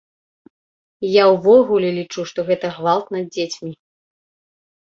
Я ўвогуле лічу, што гэта гвалт над дзецьмі.